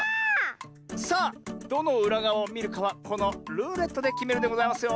さあどのうらがわをみるかはこのルーレットできめるんでございますよ。